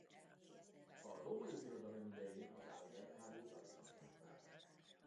A Római Birodalom idején az Arlberg-hágót alig használták.